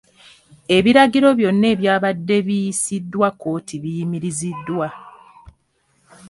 Ebiragiro byonna ebyabadde biyisiddwa kkooti biyimiriziddwa.